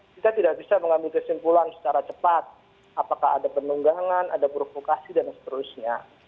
kita tidak bisa mengambil kesimpulan secara cepat apakah ada penunggangan ada provokasi dan seterusnya